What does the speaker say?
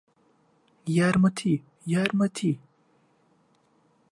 یارمەتی! یارمەتی!